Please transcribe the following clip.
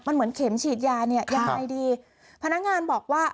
มันเหมือนเข็มฉีดยาเนี่ยยังไงดีพนักงานบอกว่า